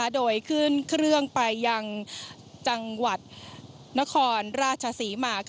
โดยขึ้นเครื่องไปยังจังหวัดนครราชศรีมา